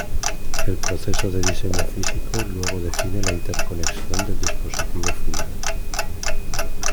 El proceso de diseño físico luego define la interconexión del dispositivo final.